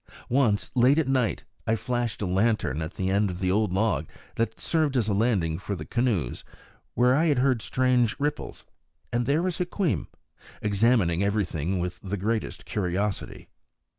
Once, late at night, I flashed a lantern at the end of the old log that served as a landing for the canoes, where I had heard strange ripples; and there was Hukweem, examining everything with the greatest curiosity.